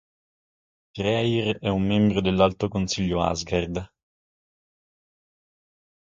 Freyr è un membro dell'alto consiglio Asgard.